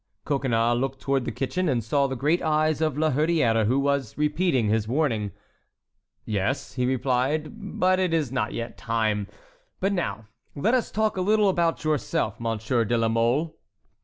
Coconnas looked toward the kitchen, and saw the great eyes of La Hurière, who was repeating his warning. "Yes," he replied, "but it is not yet time. But now let us talk a little about yourself, Monsieur de la Mole."